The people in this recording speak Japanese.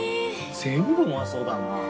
全部うまそうだな。